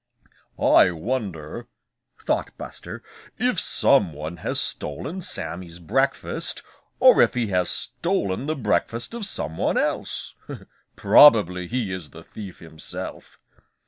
"I wonder," thought Buster, "if some one has stolen Sammy's breakfast, or if he has stolen the breakfast of some one else. Probably he is the thief himself."